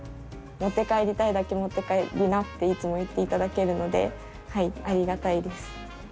持って帰りたいだけ持って帰りなっていつも言っていただけるのでありがたいです。